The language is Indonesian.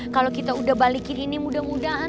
kalau kita udah balik kiri ini mudah mudahan